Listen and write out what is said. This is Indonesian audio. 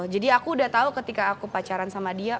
jadi aku udah tau ketika aku pacaran sama dia